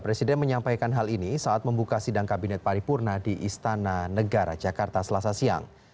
presiden menyampaikan hal ini saat membuka sidang kabinet paripurna di istana negara jakarta selasa siang